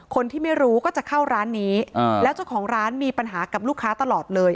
คนที่ไม่รู้ก็จะเข้าร้านนี้แล้วเจ้าของร้านมีปัญหากับลูกค้าตลอดเลย